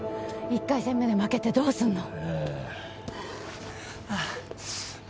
１回戦目で負けてどうするの！